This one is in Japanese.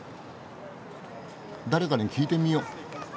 誰かに聞いてみよう。